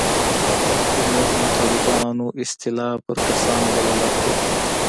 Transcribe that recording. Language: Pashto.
د نرمو طالبانو اصطلاح پر کسانو دلالت کوي.